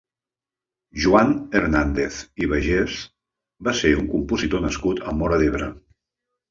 Joan Hernàndez i Baiges va ser un compositor nascut a Móra d'Ebre.